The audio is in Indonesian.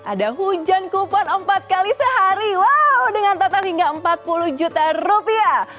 ada hujan kupon empat kali sehari wow dengan total hingga empat puluh juta rupiah